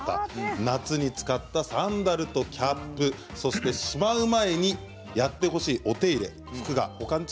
夏に使ったサンダルとキャップそして、しまう前にやってほしいお手入れのしかた。